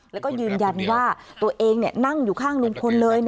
แล้วก็ยืนยันว่าตัวเองนั่งอยู่ข้างลุงพลเลย